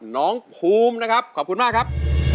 น้องภูมินะครับขอบคุณมากครับ